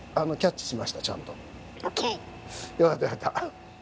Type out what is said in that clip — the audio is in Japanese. よかったよかった。